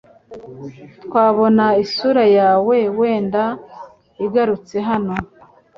Twabona isura yawe wenda igarutse hano